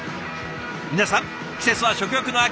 皆さん季節は食欲の秋。